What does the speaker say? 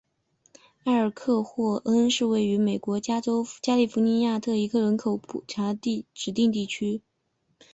埃尔克霍恩是位于美国加利福尼亚州蒙特雷县的一个人口普查指定地区。